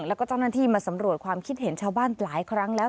แล้วก็เจ้าหน้าที่มาสำรวจความคิดเห็นชาวบ้านหลายครั้งแล้ว